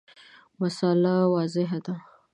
مسأله واضحه ده.